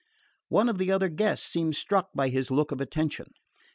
One of the other guests seemed struck by his look of attention.